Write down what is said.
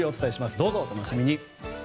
どうぞお楽しみに。